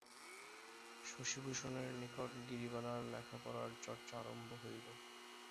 শশিভূষণের নিকট গিরিবালার লেখাপড়ার চর্চা আরম্ভ হইল।